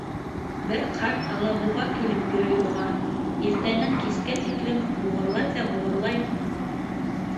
Бер ҡарт Алабуға килеп йөрөй уға —иртәнән кискә тиклем буғырлай ҙа буғырлай!